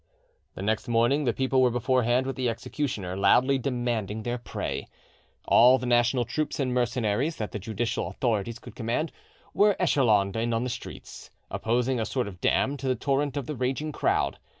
The next morning the people were beforehand with the executioner, loudly demanding their prey. All the national troops and mercenaries that the judicial authorities could command were echelonned in the streets, opposing a sort of dam to the torrent of the raging crowd.